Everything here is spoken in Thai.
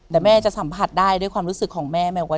แต่แม่จะสัมผัสได้ด้วยความรู้สึกว่า